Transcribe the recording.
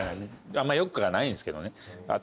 あんま良くはないんですけどね。